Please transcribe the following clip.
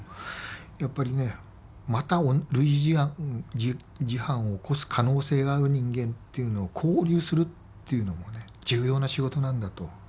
やっぱりねまた類似事犯を起こす可能性がある人間っていうのを勾留するっていうのもね重要な仕事なんだと。